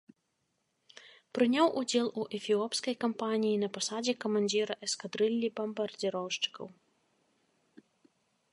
Прыняў удзел у эфіопскай кампаніі на пасадзе камандзіра эскадрыллі бамбардзіроўшчыкаў.